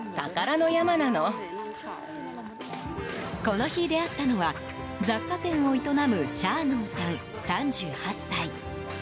この日、出会ったのは雑貨店を営むシャーノンさん、３８歳。